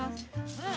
うん。